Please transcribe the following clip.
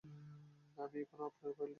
আমি এখানে আপনার ফাইল দেখছি না।